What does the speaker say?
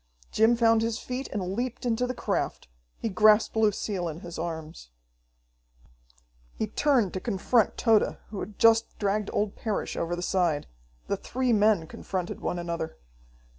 Jim found his feet and leaped into the craft. He grasped Lucille in his arms. He turned to confront Tode, who had just dragged old Parrish over the side. The three men confronted one another.